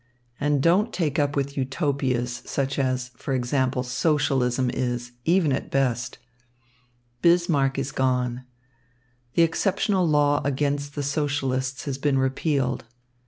And don't take up with Utopias, such as, for example, Socialism is, even at best. Bismarck is gone. The exceptional law against the Socialists has been repealed.